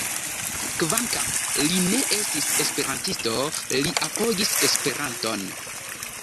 Kvankam li ne estis esperantisto, li apogis Esperanton.